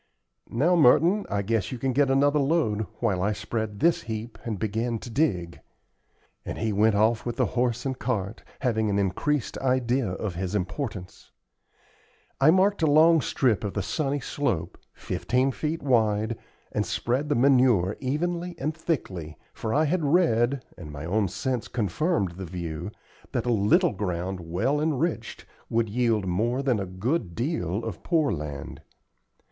"Now, Merton, I guess you can get another load, while I spread this heap and begin to dig;" and he went off with the horse and cart, having an increased idea of his importance. I marked a long strip of the sunny slope, fifteen feet wide, and spread the manure evenly and thickly, for I had read, and my own sense confirmed the view, that a little ground well enriched would yield more than a good deal of poor land.